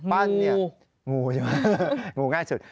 มูมูใช่ไหมมูง่ายสุด